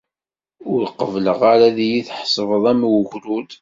Ur qebbleɣ ara ad iyi-tḥesbeḍ am ugrud.